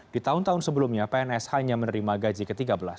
di tahun tahun sebelumnya pns hanya menerima gaji ke tiga belas